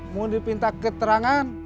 mau dipinta keterangan